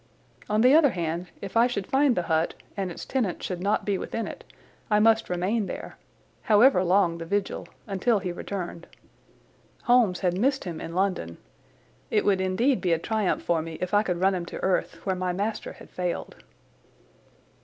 On the other hand, if I should find the hut and its tenant should not be within it I must remain there, however long the vigil, until he returned. Holmes had missed him in London. It would indeed be a triumph for me if I could run him to earth where my master had failed.